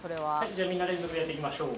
じゃあみんな連続でやっていきましょう。